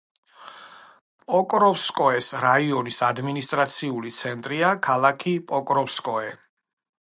პოკროვსკოეს რაიონის ადმინისტრაციული ცენტრია ქალაქი პოკროვსკოე.